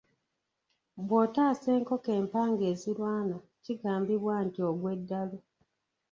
Bw’otaasa enkoko empanga ezirwana kigambibwa nti ogwa eddalu.